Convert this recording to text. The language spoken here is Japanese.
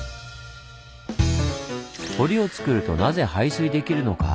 堀をつくるとなぜ排水できるのか。